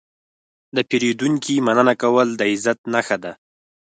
د پیرودونکي مننه کول د عزت نښه ده.